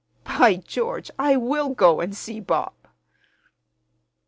By George, I will go and see Bob!"